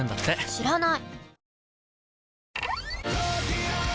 知らない！